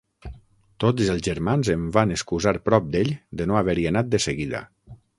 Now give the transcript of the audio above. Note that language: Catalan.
Tots els germans em van excusar prop d'ell de no haver-hi anat de seguida.